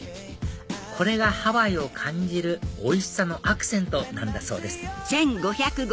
これがハワイを感じるおいしさのアクセントなんだそうです